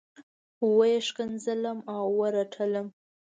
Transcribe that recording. وه یې ښکنځلم او رټلم.